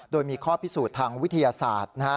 โดยมีข้อพิสูจน์ทางวิทยาศาสตร์